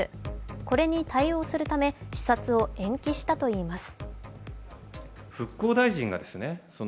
これに対応するため視察を延期したといいます。